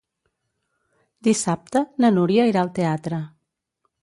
Dissabte na Núria irà al teatre.